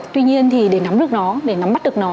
tuy nhiên để nắm bắt được nó